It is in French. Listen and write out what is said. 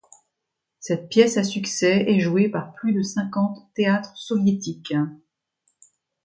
Cette pièce à succès est jouée par plus de cinquante théâtres soviétiques.